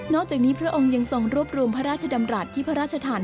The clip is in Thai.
อกจากนี้พระองค์ยังทรงรวบรวมพระราชดำรัฐที่พระราชทาน